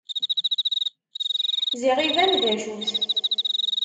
Ziɣ iban d acu-t.